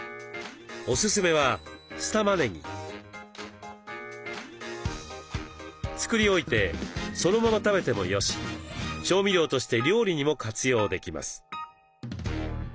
おすすめは作り置いてそのまま食べてもよし調味料として料理にも活用できます。